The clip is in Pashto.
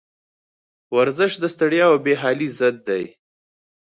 ورزش د ستړیا او بېحالي ضد دی.